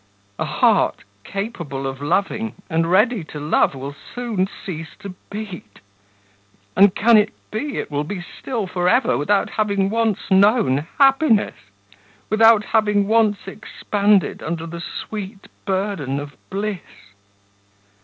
A heart capable of loving and ready to love will soon cease to beat.... And can it be it will be still for ever without having once known happiness, without having once expanded under the sweet burden of bliss?